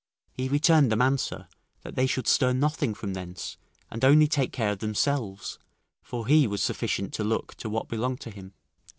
He returned them answer, that they should stir nothing from thence, and only take care of themselves, for he was sufficient to look to what belonged to him.